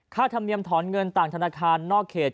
ธรรมเนียมถอนเงินต่างธนาคารนอกเขต